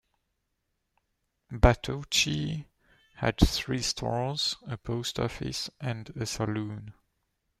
Batoche had three stores, a post office and a saloon.